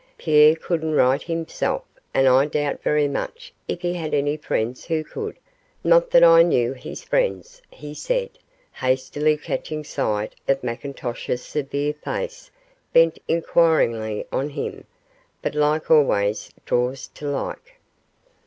'Pierre couldn't write himself, and I doubt very much if he had any friends who could not that I knew his friends,' he said, hastily catching sight of McIntosh's severe face bent inquiringly on him, 'but like always draws to like.